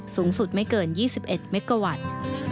สูงสุดไม่เกิน๒๑เมกาวัตต์